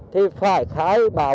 thì phải khái bảo